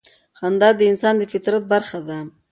خندا د انسان د فطرت برخه ده.